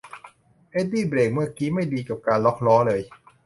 เอ็ดดี้เบรกเมื่อกี๊ไม่ดีกับการล็อคล้อเลย